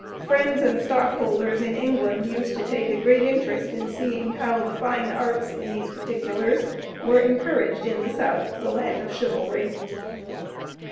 Friends and stockholders in England used to take a great interest in seeing how the fine arts, in these particulars, were encouraged in the South ("the land of chivalry").